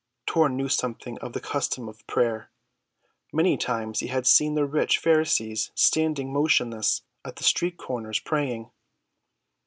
'" Tor knew something of the custom of prayer. Many times he had seen the rich Pharisees standing motionless at the street‐corners praying.